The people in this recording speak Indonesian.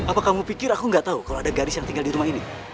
apa kamu pikir aku gak tau kalau ada gadis yang tinggal di rumah ini